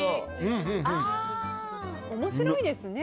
面白いですね。